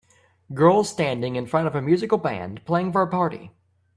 Girl standing in front of a musical band playing for a party